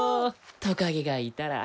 トカゲがいたら。